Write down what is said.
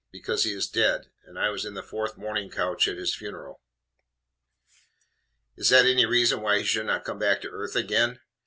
Because he is dead (and I was in the fourth mourning coach at his funeral) is that any reason why he should not come back to earth again?